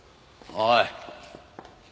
おい！